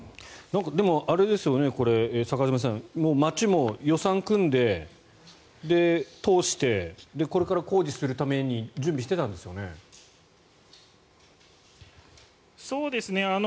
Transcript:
でも、坂詰さん町も予算を組んで通して、これから工事するために準備してたんですよね。